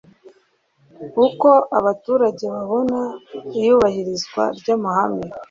uko abaturage babona iyubahirizwa ry amahame